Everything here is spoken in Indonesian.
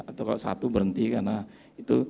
atau kalau satu berhenti karena itu